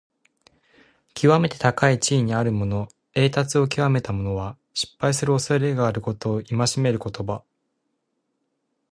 きわめて高い地位にあるもの、栄達をきわめた者は、失敗をするおそれがあることを戒める言葉。